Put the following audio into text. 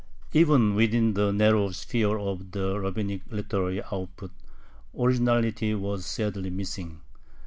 Even within the narrow sphere of the rabbinic literary output originality was sadly missing.